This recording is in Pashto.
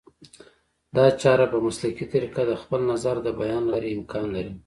دا چاره په مسلکي طریقه د خپل نظر د بیان له لارې امکان لري